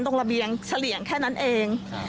ระเบียงเฉลี่ยงแค่นั้นเอง